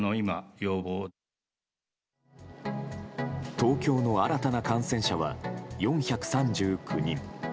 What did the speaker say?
東京の新たな感染者は４３９人。